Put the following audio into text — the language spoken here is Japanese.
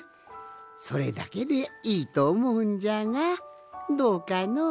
それだけでいいとおもうんじゃがどうかの？